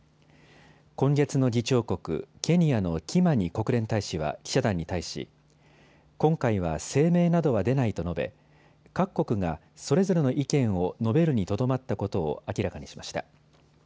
今月の議長国、ケニアのキマニ国連大使は記者団に対し今回は声明などは出ないと述べ、各国が、それぞれの意見を述べるにとどまったことを明らかにしました。